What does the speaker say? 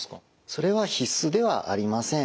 それは必須ではありません。